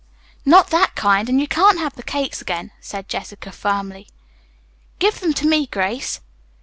"Not that kind, and you can't have the cakes, again," said Jessica firmly. "Give them to me, Grace."